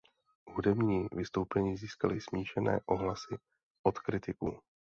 Hudební vystoupení získaly smíšené ohlasy od kritiků.